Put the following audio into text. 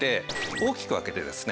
大きく分けてですね